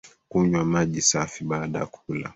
Kunywa maji safi baada ya kula